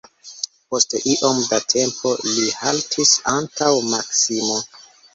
Post iom da tempo li haltis antaŭ Maksimo.